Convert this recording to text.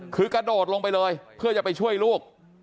คือกระโดดลงไปเลยเพื่อจะไปช่วยลูก